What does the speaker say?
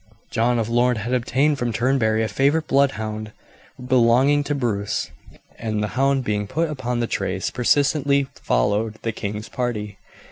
John of Lorne had obtained from Turnberry a favourite blood hound belonging to Bruce, and the hound being put upon the trace persistently followed the king's party.